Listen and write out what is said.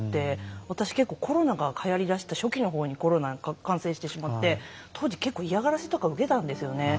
私結構コロナがはやりだした初期のほうにコロナに感染してしまって当時結構嫌がらせとか受けたんですよね。